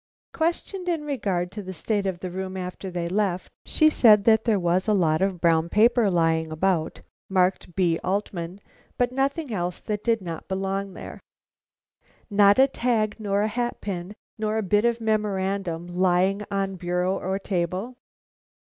Questioned in regard to the state of the room after they left it, she said that there was a lot of brown paper lying about, marked B. Altman, but nothing else that did not belong there. "Not a tag, nor a hat pin, nor a bit of memorandum, lying on bureau or table?"